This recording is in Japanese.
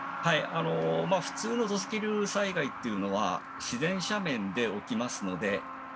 普通の土石流災害というのは自然斜面で起きますので。